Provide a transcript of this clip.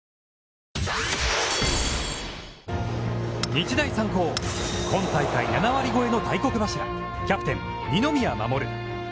日大三高、今大会７割超えの大黒柱、キャプテン二宮士。